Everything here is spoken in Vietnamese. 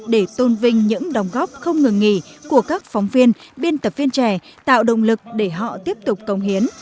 để tôn vinh những đồng góp không ngừng nghỉ của các phóng viên biên tập viên trẻ tạo động lực để họ tiếp tục công hiến